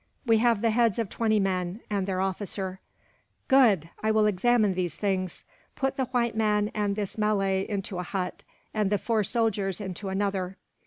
We have the heads of twenty men, and their officer." "Good! I will examine these things. Put the white man and this Malay into a hut, and the four soldiers into another.